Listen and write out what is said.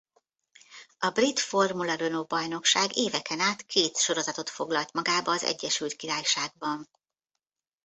A Brit Formula Renault bajnokság éveken át két sorozatot foglalt magába az Egyesült Királyságban.